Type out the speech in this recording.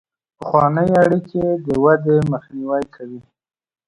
پخوانۍ اړیکې د ودې مخنیوی کوي.